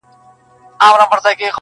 د تورو زلفو له ښامار سره مي نه لګیږي،